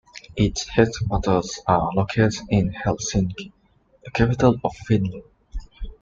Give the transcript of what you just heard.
Its headquarters are located in Helsinki, the capital of Finland.